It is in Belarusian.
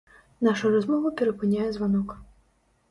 Нашу размову перапыняе званок.